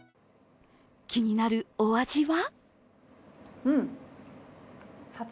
気になるお味は？